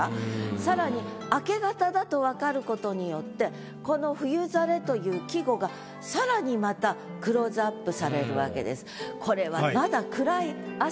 さらに明け方だと分かることによってこの「冬ざれ」という季語がさらにまたクローズアップされるわけです。